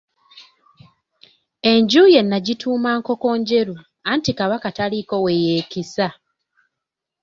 Enju ye n'agituuma Nkokonjeru, anti Kabaka taliiko we yeekisa.